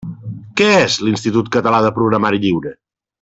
Què és l'Institut Català de Programari Lliure?